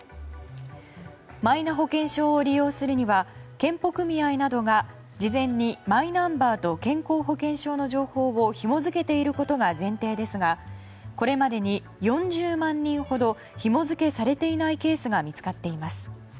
マイナ保険証を利用するには健保組合などが事前にマイナンバーと健康保険証の情報をひも付けていることが前提ですがこれまでに４０万人ほどひも付けされていないケースが見つかっています。